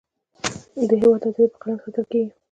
د هیواد اذادی په قلم ساتلکیږی